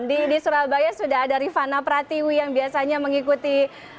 di surabaya sudah ada rifana pratiwi yang biasanya mengikuti